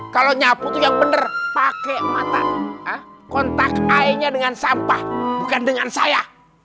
kalau nyapu yang bener pakai mata kontak lainnya dengan sampah bukan dengan saya